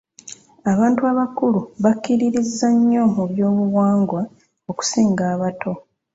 Abantu abakulu bakkiririzza nnyo mu byobuwangwa okusinga abato.